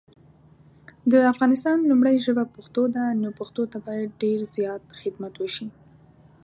د افغانستان لومړی ژبه پښتو ده نو پښتو ته باید دیر زیات خدمات وشي